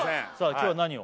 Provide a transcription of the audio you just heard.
今日は何を？